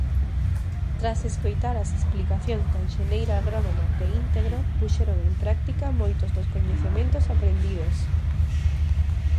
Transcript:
Tras escoitar as explicacións da enxeñeira agrónoma de Íntegro puxeron en práctica moitos dos coñecementos aprendidos.